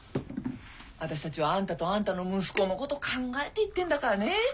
私たちはあんたとあんたの息子のこと考えて言ってんだからね。